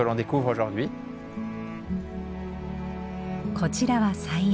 こちらは菜園。